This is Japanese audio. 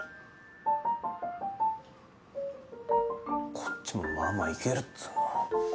こっちもまあまあいけるっつうの。